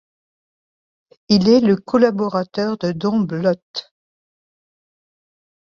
Il est le collaborateur de Don Bluth.